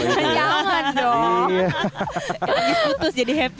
lagi putus jadi happy